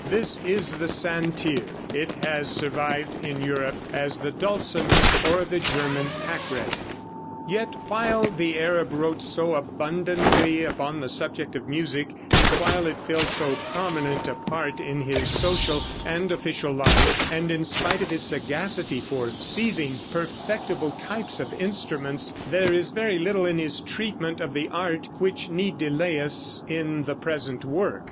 This is the santir. It has survived in Europe as the dulcimer, or the German hackbrett. [Illustration: Fig. 25. THE SANTIR.] Yet while the Arab wrote so abundantly upon the subject of music, and while it filled so prominent a part in his social and official life, and in spite of his sagacity in seizing perfectible types of instruments, there is very little in his treatment of the art which need delay us in the present work.